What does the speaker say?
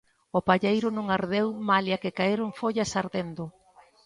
O palleiro non ardeu malia que caeron follas ardendo.